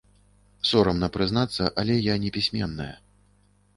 Сорамна прызнацца, але я непісьменная.